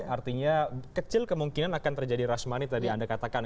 artinya kecil kemungkinan akan terjadi rush money tadi anda katakan